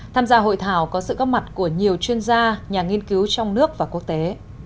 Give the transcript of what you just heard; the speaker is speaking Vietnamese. tham gia hội thảo có sự góp mặt của nhiều chuyên gia nhà nghiên cứu trong nước và quốc tế